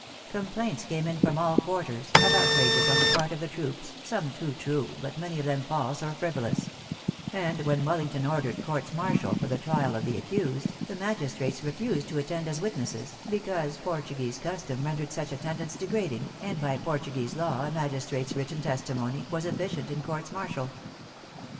Complaints came in from all quarters, of outrages on the part of the troops, some too true, but many of them false or frivolous ; and when Wellington ordered courts martial for the trial of the accused, the magis trates refused to attend as witnesses, because Portu guese custom rendered such attendance degrading, and by Portuguese law a magistrate s written testi mony was efficient in courts martial.